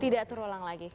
tidak terulang lagi